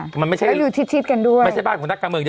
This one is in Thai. ค่ะแล้วอยู่ทิศกันด้วยไม่ใช่บ้านของนักการเมือง